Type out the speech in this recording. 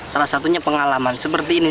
salah satunya pengalaman seperti ini